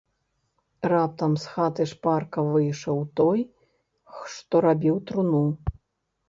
Раптам з хаты шпарка выйшаў той, што рабіў труну.